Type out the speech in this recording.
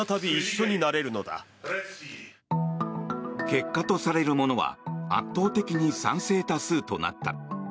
結果とされるものは圧倒的に賛成多数となった。